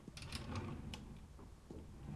د بازارونو د ودي لپاره ځوانان هڅي کوي.